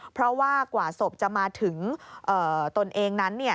เพราะว่ากว่าศพจะมาถึงตนเองนั้น